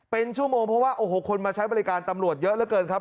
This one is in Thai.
เป็นชั่วโมงเพราะว่าโอ้โหคนมาใช้บริการตำรวจเยอะเหลือเกินครับ